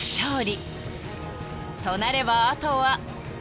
［となればあとは］